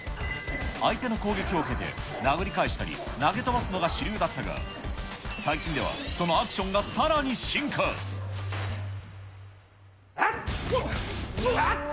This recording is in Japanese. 相手の攻撃を受けて、殴り返したり、投げ飛ばすのが主流だったが、最近では、そのアクションがさらはっ！